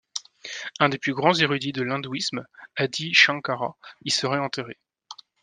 Un des plus grands érudits de l'hindouisme Adi Shankara y serait enterré.